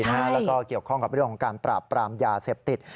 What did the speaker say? แล้วก็เกี่ยวข้องกับเรื่องของการปราบปรามยาเสพติด